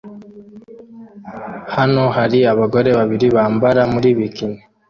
Hano hari abagore babiri bambara muri bikini